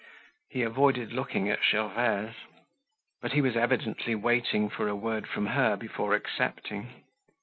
He avoided looking at Gervaise. But he was evidently waiting for a word from her before accepting.